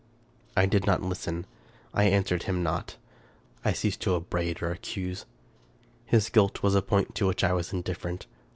I did not listen — I answered him not — I ceased to up braid or accuse. His guilt was a point to which I was indifferent.